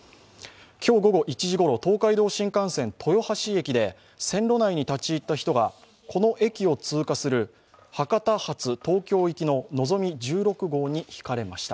今日午後１時頃、東海道新幹線・豊橋駅で線路内に立ち入った人がこの駅を通過する博多発東京行きの「のぞみ１６号」にひかれました。